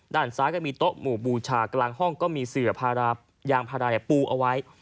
ด้านซ้ายก็มีโต๊ะหมู่บูชากลางห้องก็มีเสือยางพาราปูเอาไว้